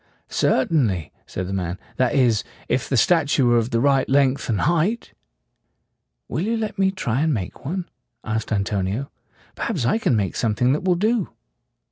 "Cer tain ly," said the man; "that is, if the statue were of the right length and height." "Will you let me try to make one?" asked Anto nio "Perhaps I can make something that will do."